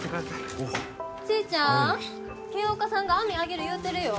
おお悪いなちーちゃん清岡さんが網揚げる言うてるよ